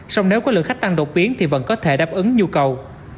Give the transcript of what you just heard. song nếu có lượng khách tăng đột biến thì vẫn có thể đáp ứng nhu cầu